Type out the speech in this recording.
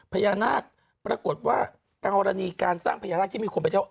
พญานาคปรากฏว่ากรณีการสร้างพญานาคที่มีคนไปเจ้า